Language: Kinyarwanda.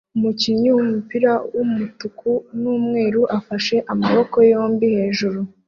Umukinnyi wumupira wumutuku numweru afashe amaboko yombi hejuru